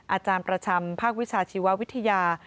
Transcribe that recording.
อาจารย์ประจำภาควิชาชีววิทยา